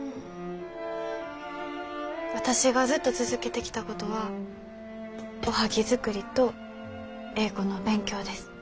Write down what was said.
私がずっと続けてきたことはおはぎ作りと英語の勉強です。